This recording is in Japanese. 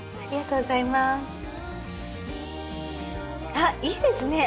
あっいいですね。